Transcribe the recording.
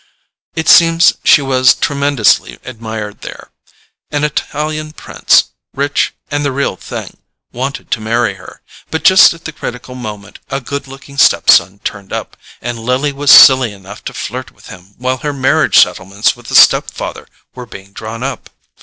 It seems she was tremendously admired there. An Italian Prince, rich and the real thing, wanted to marry her; but just at the critical moment a good looking step son turned up, and Lily was silly enough to flirt with him while her marriage settlements with the step father were being drawn up.